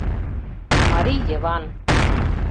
— Марий Йыван!